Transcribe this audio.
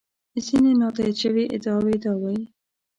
ځینې نا تایید شوې ادعاوې دا وایي.